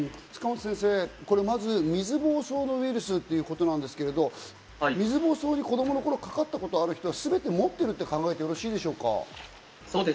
塚本先生、まずこれは水ぼうそうウイルスということですが、水ぼうそうに子供の頃かかったことがある人はすべて持っていると考えてよろしいでしょうか。